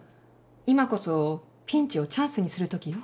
今こそピンチをチャンスにするときよ。